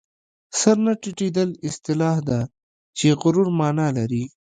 سر نه ټیټېدل اصطلاح ده چې د غرور مانا لري